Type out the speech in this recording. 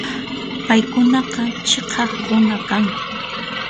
Paykunaqa chhiqaq runa kanku.